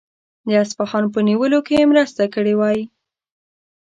د اصفهان په نیولو کې یې مرسته کړې وای.